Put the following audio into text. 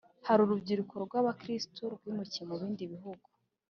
Hari urubyiruko rw Abakristo rwimukiye mu bindi bihugu